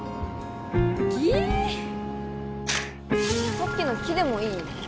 さっきの「キ」でもいい？